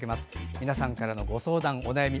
皆さんからのご相談、お悩み